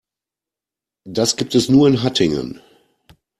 Das gibt es nur in Hattingen